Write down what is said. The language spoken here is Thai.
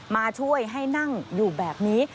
มาช่วยให้นั่งอยู่แบบนี้